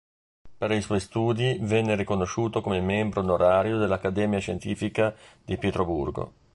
Per i suoi studi venne riconosciuto come membro onorario dell'Accademia Scientifica di Pietroburgo.